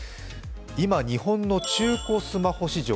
今日本の中古スマホ市場